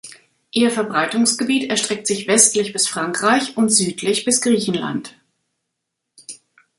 Ihr Verbreitungsgebiet erstreckt sich westlich bis Frankreich und südlich bis Griechenland.